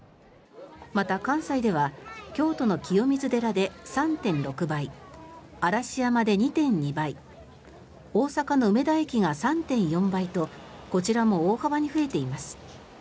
また、関西では京都の清水寺で３．６倍嵐山で２．２倍大阪の梅田駅が３．４倍とこちらも大幅に増えています。